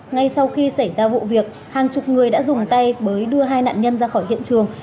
ngay sau khi xảy ra vụ việc hàng chục người đã dùng tay bới đưa hai nạn nhân ra khỏi hiện trường